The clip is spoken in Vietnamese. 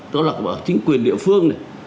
đó là chính quyền địa phương